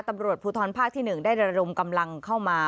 ตำรวจภูทรภาคที่๑ได้ระดมกำลังเข้ามา